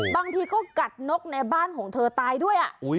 บางทีก็กัดนกในบ้านของเธอตายด้วย